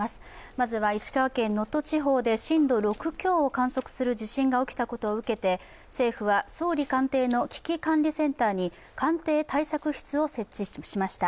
まずは石川県能登地方で震度６強を観測する地震が起きたことを受けて政府は総理官邸の危機管理センターに官邸対策室を設置しました。